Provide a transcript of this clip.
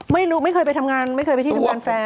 ไม่รู้ไม่เคยไปทำงานไม่เคยไปที่ที่ทางการแฟน